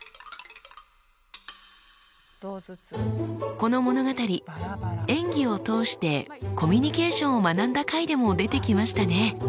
この物語演技を通してコミュニケーションを学んだ回でも出てきましたね。